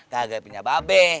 kg punya babe